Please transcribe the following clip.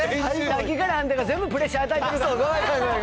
さっきからあんたが全部プレッシャー与えてるから。